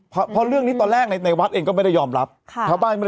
เพราะเรื่องนี้ตอนแรกในวัดเองก็ไม่ได้ยอมรับ